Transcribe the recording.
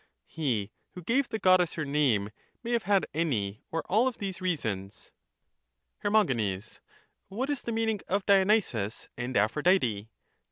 He who gave the Goddess her name may have had any or all of these reasons. I/er. What is the meaning of Dionysus and Aphrodite?